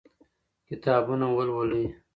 کتابونه ولولئ.